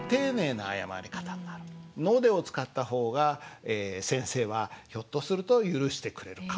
「ので」を使った方がえ先生はひょっとすると許してくれるかもしれない。